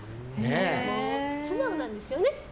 素直なんですよね。